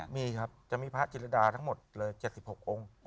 มีครับจะมีพระจิรดาทั้งหมดเลย๗๖องค์